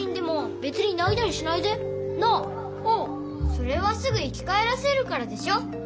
それはすぐ生きかえらせるからでしょ？